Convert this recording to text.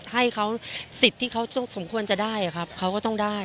ให้เขาสิทธิ์ที่เขาสมควรจะได้ครับเขาก็ต้องได้